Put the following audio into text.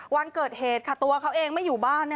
วันเกิดเหตุค่ะตัวเขาเองไม่อยู่บ้าน